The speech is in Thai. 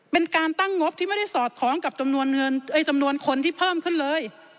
เป็นการตั้งงบที่ไม่ได้สอดคล้องกับจำนวนคนที่เพิ่มขึ้นเลย